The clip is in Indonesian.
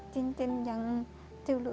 cincin yang dulu